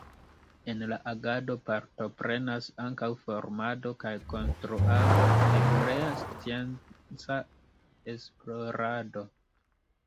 En la agado partoprenas ankaŭ formado kaj konstruado de krea scienca esplorado.